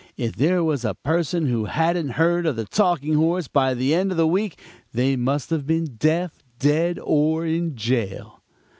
If there was a person who hadn't heard of the Talking Horse by the end of the week, they must have been deaf, dead or in jail.